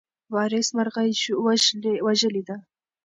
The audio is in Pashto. وارث مرغۍ وژلې ده.